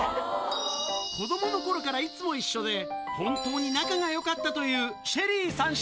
子どものころからいつも一緒で、本当に仲がよかったというＳ